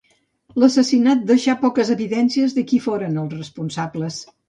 L'assassinat deixà poques evidències de qui foren els responsables.